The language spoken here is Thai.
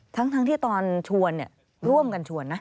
ทั้งที่ตอนชวนร่วมกันชวนนะ